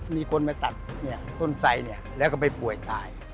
มีคนมาตัดต้นไสแล้วก็ไปป่วยตาย